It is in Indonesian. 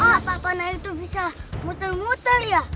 kenapa panah itu bisa muter muter ia